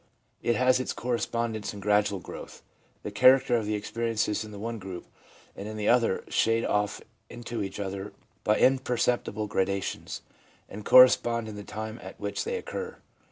It has its correspondence in gradual growth. The character of the experiences in the one group and in the other shade off into each other by imperceptible gradations, and correspond in the time at which they occur.